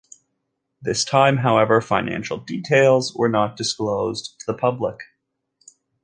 This time, however, financial details were not disclosed to the public.